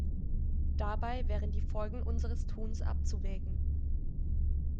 Dabei wären die Folgen unseres Tuns abzuwägen.